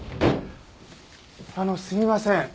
あのすみません。